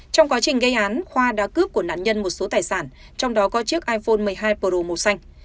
trong quá trình gây án khoa đã cướp của nạn nhân một số tài sản trong đó có chiếc iphone một mươi hai podu màu xanh